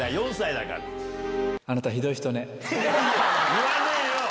言わねえよ！